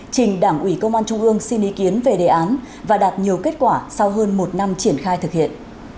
trình đảng ủy công an trung ương xin ý kiến về đề án và đạt nhiều kết quả sau hơn một năm triển khai thực hiện